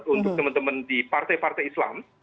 untuk teman teman di partai partai islam